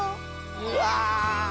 うわ。